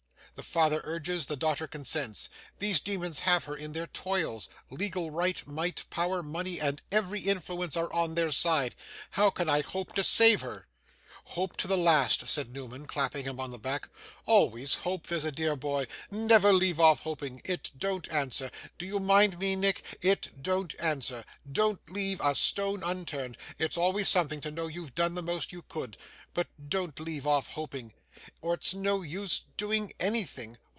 The father urges, the daughter consents. These demons have her in their toils; legal right, might, power, money, and every influence are on their side. How can I hope to save her?' 'Hope to the last!' said Newman, clapping him on the back. 'Always hope; that's a dear boy. Never leave off hoping; it don't answer. Do you mind me, Nick? It don't answer. Don't leave a stone unturned. It's always something, to know you've done the most you could. But, don't leave off hoping, or it's of no use doing anything.